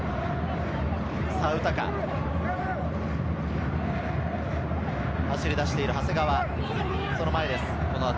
さあ、ウタカ、走り出している長谷川、その前です。